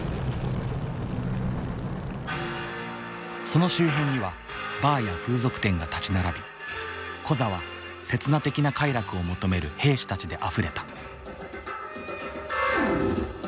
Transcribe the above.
その周辺にはバーや風俗店が立ち並びコザは刹那的な快楽を求める兵士たちであふれた。